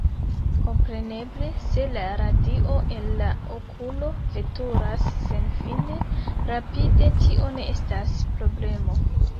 Kompreneble se la radio el la okulo veturas senfine rapide tio ne estas problemo.